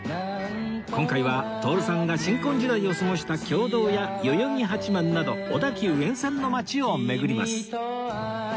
今回は徹さんが新婚時代を過ごした経堂や代々木八幡など小田急沿線の町を巡ります